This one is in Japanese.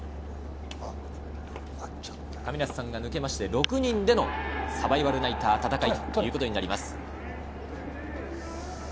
亀梨さんが抜けて６人でのサバイバルナイター、戦いとなります。